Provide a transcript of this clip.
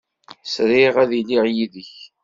Sriɣ ad iliɣ yid-k.